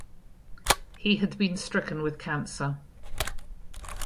He had been stricken with cancer.